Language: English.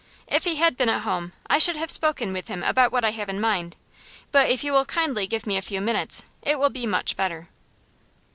'If he had been at home I should have spoken with him about what I have in mind, but if you will kindly give me a few minutes it will be much better.